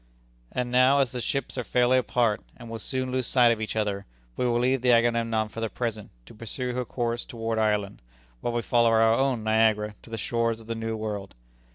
And now, as the ships are fairly apart, and will soon lose sight of each other, we will leave the Agamemnon for the present to pursue her course toward Ireland, while we follow our own Niagara to the shores of the New World.